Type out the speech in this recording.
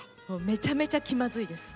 めちゃめちゃ気まずいです。